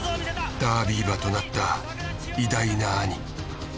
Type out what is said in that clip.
ダービー馬となった偉大な兄。